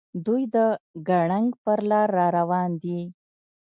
دوي د ګړنګ پر لار راروان دي.